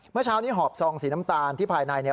เมื่อเช้านี้หอบซองสีน้ำตาลที่ภายในเนี่ย